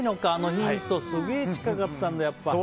ヒント、すげえ近かったんだ。